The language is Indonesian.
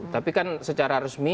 tapi kan secara resmi